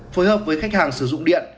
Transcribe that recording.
phối hợp với khách hàng sử dụng điện